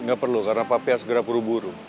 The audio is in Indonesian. gak perlu karena papi harus segera puru puru